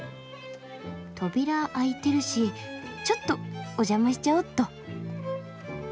扉開いてるしちょっとお邪魔しちゃおうっと。